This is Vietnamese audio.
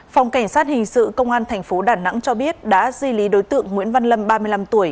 phòng cảnh sát hình sự công an tp đà nẵng cho biết đã di lý đối tượng nguyễn văn lâm ba mươi năm tuổi